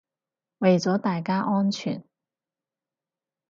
為咗大家安全